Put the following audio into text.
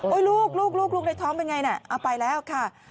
โอ๊ยลูกในท้องเป็นอย่างไรเอาไปแล้วค่ะ